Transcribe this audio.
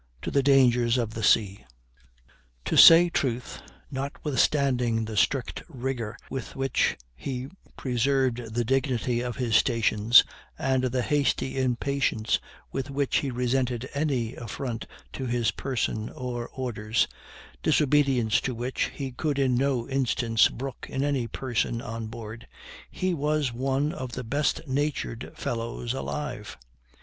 to the dangers of the sea. To say truth, notwithstanding the strict rigor with which he preserved the dignity of his stations and the hasty impatience with which he resented any affront to his person or orders, disobedience to which he could in no instance brook in any person on board, he was one of the best natured fellows alive.